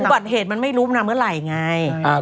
และบัตรเหตุไม่รู้มันทำอะไรไงระวังตัวเองนะ